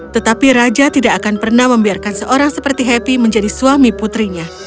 tetapi raja tidak akan pernah membiarkan seorang seperti happy menjadi suami putrinya